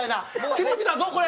テレビだぞこれ！